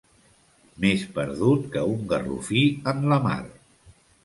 Més perdut que un garrofí en la mar.